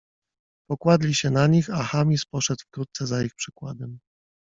Pokładli się na nich, a Chamis poszedł wkrótce za ich przykładem.